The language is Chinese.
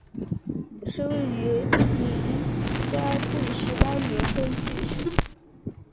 生于明嘉靖十八年登进士。